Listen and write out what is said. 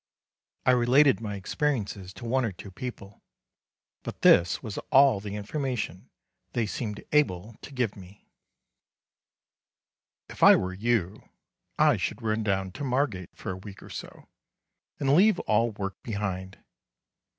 I related my experiences to one or two people; but this was all the information they seemed able to give me: "If I were you, I should run down to Margate for a week or so, and leave all work behind.